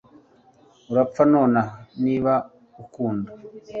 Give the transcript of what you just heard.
urapfa nonaha niba ukunda